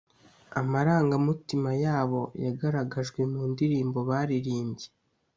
amarangamutima yabo yagaragajwe mu ndirimbo baririmbye